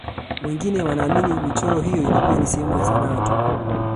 wengine wanaamini michoro hiyo ilikuwa ni sehemu ya sanaa tu